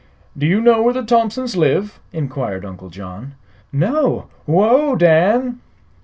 "Do you know where the Thompsons live?" inquired Uncle John. "No. Whoa, Dan!"